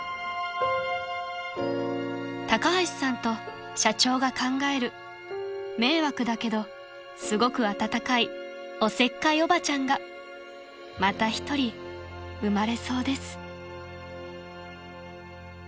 ［高橋さんと社長が考える迷惑だけどすごく温かいおせっかいおばちゃんがまた一人生まれそうです］